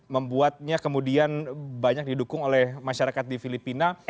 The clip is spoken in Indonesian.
membuatnya kemudian banyak didukung oleh masyarakat di filipina